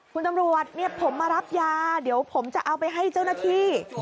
คุณตำรวจเนี่ยผมมารับยาเดี๋ยวผมจะเอาไปให้เจ้าหน้าที่